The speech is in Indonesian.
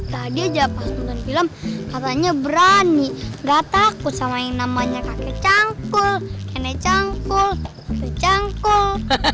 tadi aja pas nonton film katanya berani gak takut sama yang namanya kakek canggul enek canggul becanggul